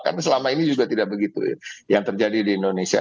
karena selama ini juga tidak begitu ya yang terjadi di indonesia